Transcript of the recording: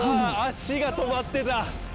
足が止まってた。